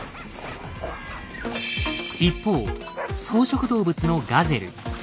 一方草食動物の「ガゼル」。